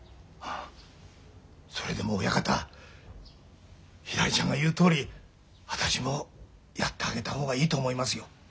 それでも親方ひらりちゃんが言うとおり私もやってあげた方がいいと思いますよ。